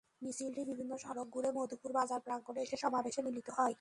মিছিলটি বিভিন্ন সড়ক ঘুরে মধুপুর বাজার প্রাঙ্গণে এসে সমাবেশে মিলিত হয়।